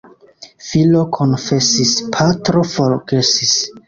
Filo konfesis, patro forgesis.